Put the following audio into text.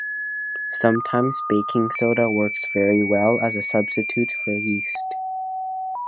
Sometimes, baking soda works very well as a substitute for yeast.